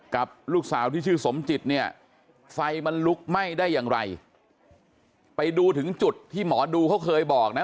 กับลูกสาวที่ชื่อสมจิตเนี่ยไฟมันลุกไหม้ได้อย่างไรไปดูถึงจุดที่หมอดูเขาเคยบอกนะ